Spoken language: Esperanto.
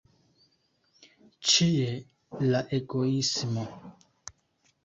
Ĉie, la egoismo!